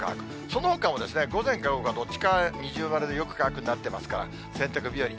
そのほかも午前か午後か、どっちか、二重丸でよく乾くになってますから、洗濯日和。